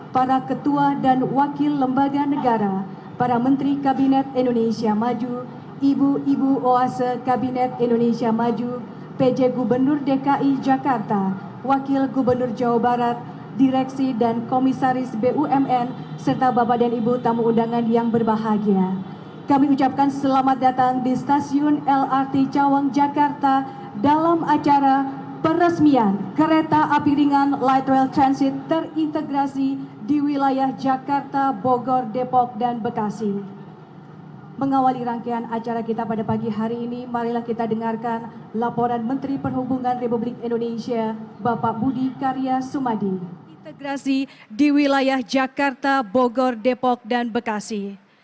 bapak dan ibu tamu undangan yang berbahagia kami ucapkan selamat datang di stasiun lrt cawang jakarta dalam acara peresmian kereta api ringan light rail transit terintegrasi di wilayah jakarta bogor depok dan bekasi